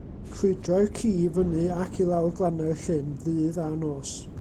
Crwydrai'r ci i fyny ac i lawr glannau'r llyn, ddydd a nos.